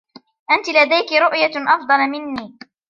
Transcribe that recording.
أنتِ لديكِ رؤية أفضل منى؟